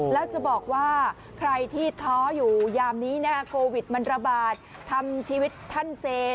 แล้วจะบอกว่าใครที่ท้ออยู่ยามนี้โควิดมันระบาดทำชีวิตท่านเซน